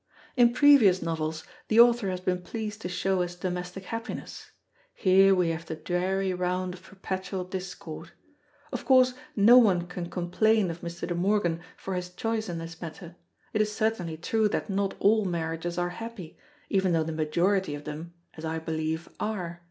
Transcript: In previous novels, the author has been pleased to show us domestic happiness; here we have the dreary round of perpetual discord. Of course no one can complain of Mr. De Morgan for his choice in this matter; it is certainly true that not all marriages are happy, even though the majority of them (as I believe) are.